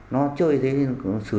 nó chơi thế thì xử lý